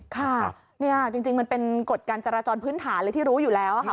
ค่ะเนี่ยจริงมันเป็นกฎการจราจรพื้นฐานเลยที่รู้อยู่แล้วค่ะ